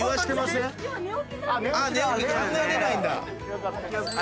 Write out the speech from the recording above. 考えれないんだ。